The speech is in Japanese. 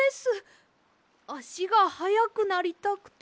あしがはやくなりたくて。